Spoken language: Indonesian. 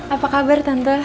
apa kabar tante